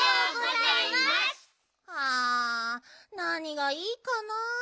あなにがいいかなあ？